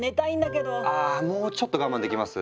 あもうちょっと我慢できます？